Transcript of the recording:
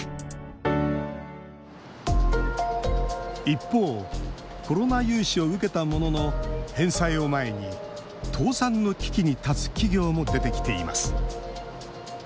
一方コロナ融資を受けたものの返済を前に倒産の危機に立つ企業も出てきています。